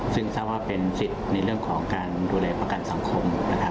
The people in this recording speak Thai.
ซึ่งแสดงความเป็นโสดในเรื่องของการดูแลประกันสังคม